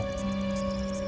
mereka tidak peduli satu satunya